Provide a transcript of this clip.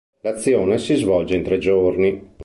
L'azione si svolge in tre giorni.